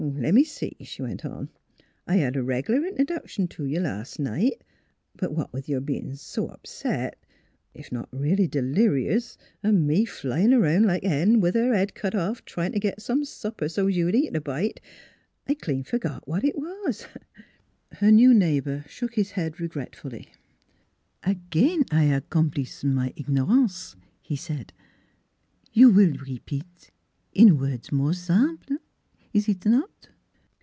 " L'me see," she went on, " I hed a reg'lar 78 NEIGHBORS interduction t' you las' night; but what with your bein' s' upset if not reelly d'lirious an' me a flyin' 'round like a hen with her head cut off tryin' t' git some supper so 's you'd eat a bite I clean fergot what 't was." Her new neighbor shook his head regretfully. " Again I accomplis' my ignorance," he said. "You will repeat in words more simple is it not?"